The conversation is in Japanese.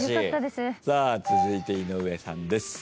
さあ続いて井上さんです。